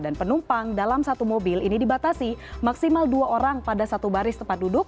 dan penumpang dalam satu mobil ini dibatasi maksimal dua orang pada satu baris tempat duduk